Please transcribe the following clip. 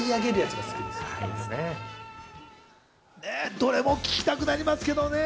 どれも聴きたくなりますけどね。